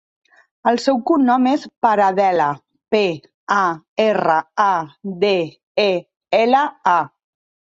El seu cognom és Paradela: pe, a, erra, a, de, e, ela, a.